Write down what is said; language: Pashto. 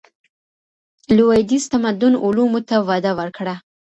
لوېدیځ تمدن علومو ته وده ورکړه.